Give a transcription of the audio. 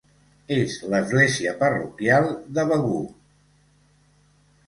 És l'església parroquial de Begur.